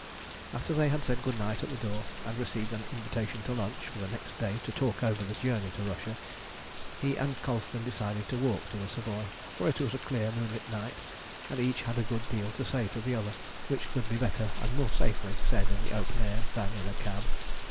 After they had said good night at the door, and received an invitation to lunch for the next day to talk over the journey to Russia, he and Colston decided to walk to the Savoy, for it was a clear moonlit night, and each had a good deal to say to the other, which could be better and more safely said in the open air than in a cab.